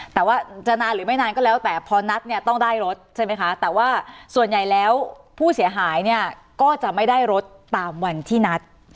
แต่ว่าจะนานหรือไม่นานก็แล้วแต่พอนัดเนี่ยต้องได้รถใช่ไหมคะแต่ว่าส่วนใหญ่แล้วผู้เสียหายเนี่ยก็จะไม่ได้รถตามวันที่นัด